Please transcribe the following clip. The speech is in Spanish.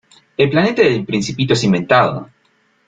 El planeta del Principito es inventado.